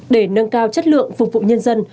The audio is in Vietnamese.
để nâng cao chất lượng phục vụ nhân dân